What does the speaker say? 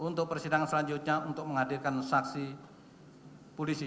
untuk persidangan selanjutnya untuk menghadirkan saksi polisi